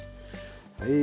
はい。